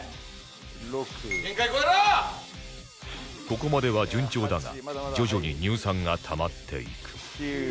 ここまでは順調だが徐々に乳酸がたまっていく